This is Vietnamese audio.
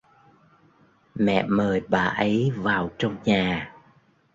Mẹ mời bà ấy vào trong nhà